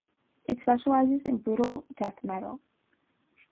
It specialises in brutal death metal.